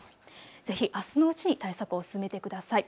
ぜひあすのうちに対策を進めてください。